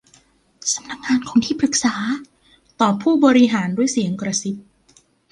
'สำนักงานของที่ปรึกษา' ตอบผู้บริหารด้วยเสียงกระซิบ